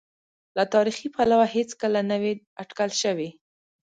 له تاریخي پلوه هېڅکله نه وې اټکل شوې.